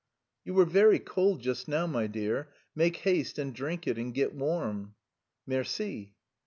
"You were very cold just now, my dear; make haste and drink it and get warm." _"Merci."